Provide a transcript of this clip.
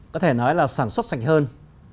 có thể nói là sản xuất sạch hơn